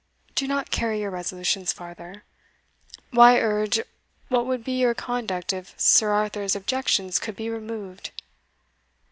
do not carry your resolutions farther why urge what would be your conduct if Sir Arthur's objections could be removed?"